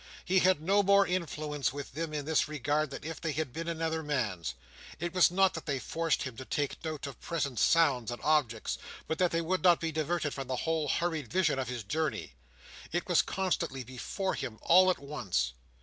He had no more influence with them, in this regard, than if they had been another man's. It was not that they forced him to take note of present sounds and objects, but that they would not be diverted from the whole hurried vision of his journey. It was constantly before him all at once.